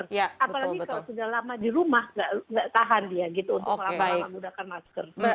apalagi kalau sudah lama di rumah nggak tahan dia gitu untuk lama lama menggunakan masker